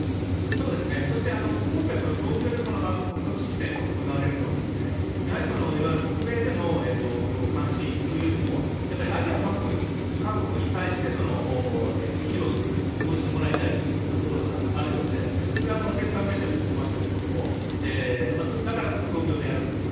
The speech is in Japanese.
そして今回、東京で発足式典が行われるのはいわゆる北米での関心というよりもアジア各国に対して広く応じてもらいたいというところがあるようで、政府関係者も言ってましたが、だからこそ東京でやるんだと。